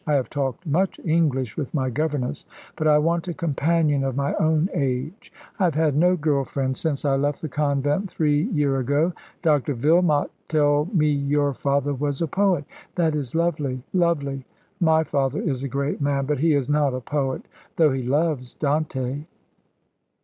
I have talked much English with my governess, but I want a companion of my own age. I have had no girl friend since I left the Convent three year ago. Dr Vilmot tell me your father was a poet. That is lovely, lovely. My father is a great man, but he is not a poet, though he loves Dante."